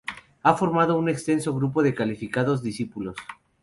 Ha formado un extenso grupo de calificados discípulos.